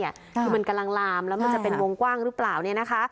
คือมันกำลังลามแล้วมันจะเป็นวงกว้างหรือเปล่าเนี่ยนะคะ